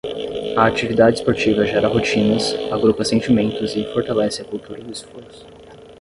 A atividade esportiva gera rotinas, agrupa sentimentos e fortalece a cultura do esforço.